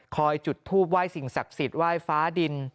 จุดทูปไหว้สิ่งศักดิ์สิทธิไหว้ฟ้าดิน